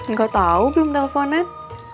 nggak tahu belum teleponan